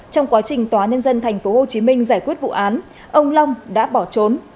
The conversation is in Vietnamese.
trong quá trình tòa nhân dân tp hcm giải quyết vụ án ông long đã bỏ trốn